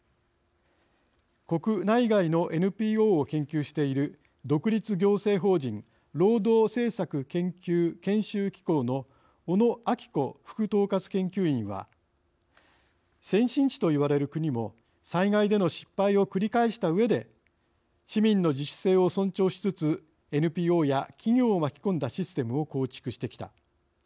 国内外のＮＰＯを研究している独立行政法人労働政策研究・研修機構の小野晶子副統括研究員は「先進地と言われる国も災害での失敗を繰り返したうえで市民の自主性を尊重しつつＮＰＯや企業を巻き込んだシステムを構築してきた。